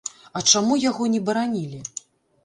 А чаму яго не баранілі?